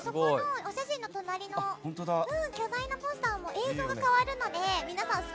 お写真の隣の巨大なポスターも映像が変わります。